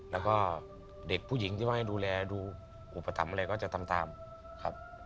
แล้วก็เด็กผู้หญิงที่ว่าให้ดูแลดูอุปถัมภ์อะไรก็จะทำตามครับ